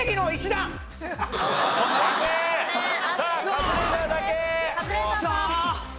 カズレーザーさん。